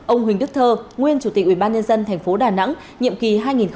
ông huỳnh đức thơ nguyên chủ tịch ubnd tp đà nẵng nhiệm kỳ hai nghìn một mươi sáu hai nghìn hai mươi một